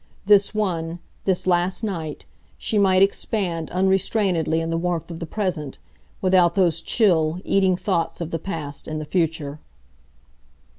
This one, this last night, she might expand unrestrainedly in the warmth of the present, without those chill, eating thoughts of the past and the future.